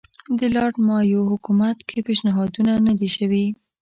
د لارډ مایو حکومت کې پېشنهادونه نه دي شوي.